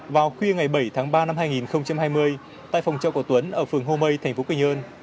vào khuya ngày bảy tháng ba năm hai nghìn hai mươi tại phòng trọ của tuấn ở phường hô mây thành phố quy nhơn